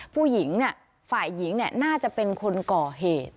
ผู้หญิงเนี้ยฝ่ายหญิงเนี้ยน่าจะเป็นคนก่อเหตุ